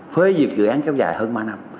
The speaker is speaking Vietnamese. phế dịch dự án kéo dài hơn ba năm